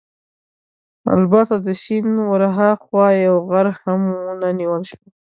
البته د سیند ورهاخوا یو غر هم ونه نیول شو.